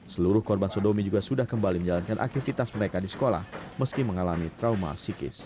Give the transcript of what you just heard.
seluruh korban sodomi juga sudah kembali menjalankan aktivitas mereka di sekolah meski mengalami trauma psikis